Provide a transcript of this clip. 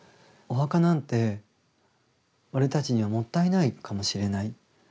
お墓なんて俺たちにはもったいないかもしれない。